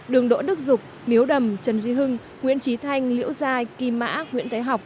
đường đỗ đức dục miếu đầm trần duy hưng nguyễn trí thanh liễu giai kim mã nguyễn thái học